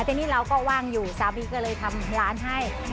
ทีนี้เราก็ว่างอยู่สามีก็เลยทำร้านให้